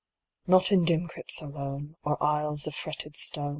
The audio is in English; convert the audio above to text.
Not in dim crypts alone, Or aisles of fretted stone.